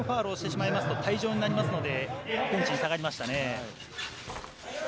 ５回目のファウルをしてしまうと退場してしまうので、ベンチに下がりましたね。